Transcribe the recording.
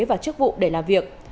và chức vụ để làm việc